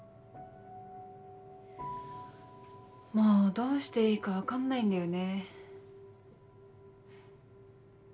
もうどうしていいか分かんないんだよね。